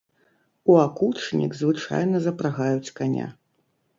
У акучнік звычайна запрагаюць каня.